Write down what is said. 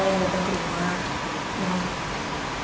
yang datang ke rumah